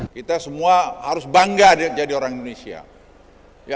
kita semua harus bangga jadi orang indonesia